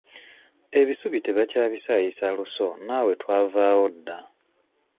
Ebisubi tebakyabisaayisa luso naawe twavaawo dda.